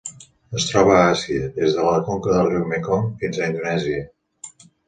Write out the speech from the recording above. Es troba a Àsia: des de la conca del riu Mekong fins a Indonèsia.